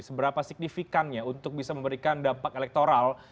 seberapa signifikannya untuk bisa memberikan dampak elektoral